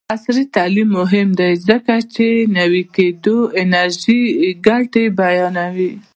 عصري تعلیم مهم دی ځکه چې د نوي کیدونکي انرژۍ ګټې بیانوي.